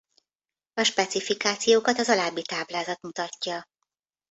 A specifikációkat az alábbi táblázat mutatja.